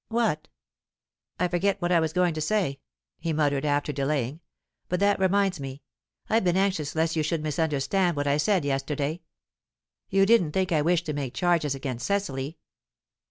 "What?" "I forget what I was going to say," he muttered, after delaying. "But that reminds me; I've been anxious lest you should misunderstand what I said yesterday. You didn't think I wished to make charges against Cecily?"